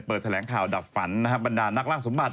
แถลงข่าวดับฝันนะครับบรรดานักล่างสมบัติ